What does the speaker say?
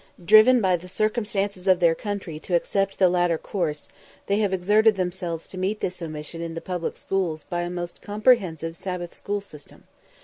Driven by the circumstances of their country to accept the latter course, they have exerted themselves to meet this omission in the public schools by a most comprehensive Sabbath school system.